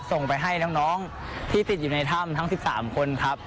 ส่งไปให้น้องที่ติดอยู่ในถ้ำทั้ง๑๓คนครับ